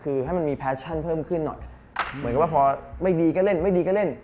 คือให้มันมีแฟชั่นเพิ่มขึ้นหน่อยเหมือนกับว่าพอไม่ดีก็เล่นไม่ดีก็เล่น